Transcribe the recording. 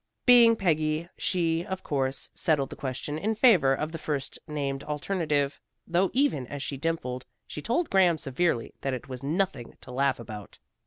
Being Peggy, she, of course, settled the question in favor of the first named alternative, though even as she dimpled, she told Graham severely that it was nothing to laugh about.